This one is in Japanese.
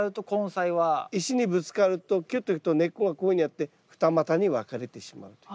石にぶつかるとキュッと行くと根っこがこういうふうになって二股に分かれてしまうと。